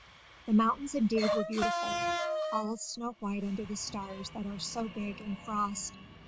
The mountains indeed were beautiful, all snow white under the stars that are so big in frost.